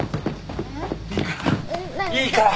いいから。